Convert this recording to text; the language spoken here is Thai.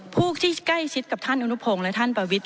ผู้ที่ใกล้ชิดกับท่านอนุพงศ์และท่านประวิทย